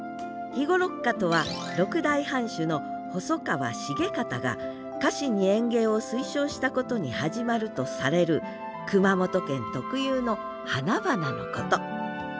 肥後六花とは６代藩主の細川重賢が家臣に園芸を推奨したことに始まるとされる熊本県特有の花々のこと。